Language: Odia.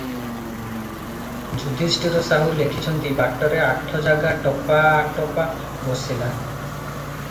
ଯୁଧିଷ୍ଠିର ସାହୁ ଲେଖିଛନ୍ତି, "ବାଟରେ ଆଠ ଜାଗା ଟପା ଆପଟ ବସିଲା ।